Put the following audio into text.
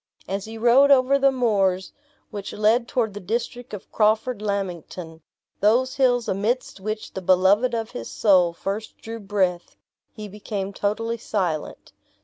As he rode over the moors which led toward the district of Crawford Lammington, those hills amidst which the beloved of his soul first drew breath, he became totally silent.